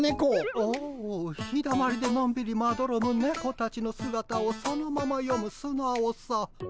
お日だまりでのんびりまどろむねこたちのすがたをそのままよむすなおさ。